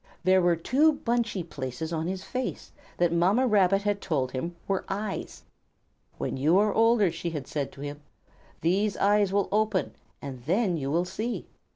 There were two bunchy places on his face, that Mamma Rabbit had told him were eyes. "When you are older," she had said to him, "these eyes will open, and then you will see."